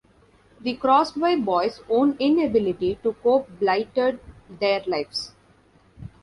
The Crosby Boys' own inability to cope blighted their lives.